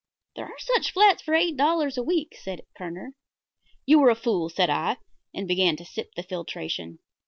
"There are such flats for eight dollars a week," said Kerner. "You are a fool," said I, and began to sip the filtration.